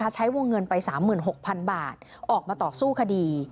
ใช้วงเงินไป๓๖๐๐๐บาทออกมาต่อสู้คดี